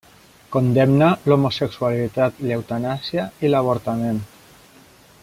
Condemna l'homosexualitat, l'eutanàsia, i l'avortament.